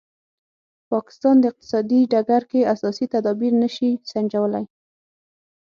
پاکستان په اقتصادي ډګر کې اساسي تدابیر نه شي سنجولای.